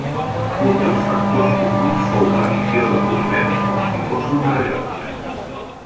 Un dels factors comuns fou la visió de l'univers com si fos un rellotge.